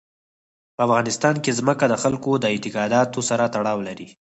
په افغانستان کې ځمکه د خلکو د اعتقاداتو سره تړاو لري.